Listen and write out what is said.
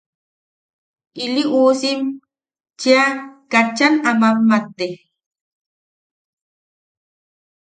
Ili uusim cheʼa katchan a mammatte.